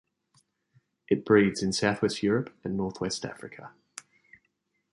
It breeds in southwest Europe and northwest Africa.